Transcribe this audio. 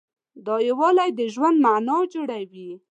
دا یووالی د ژوند معنی جوړوي.